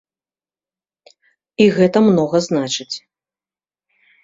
І гэта многа значыць.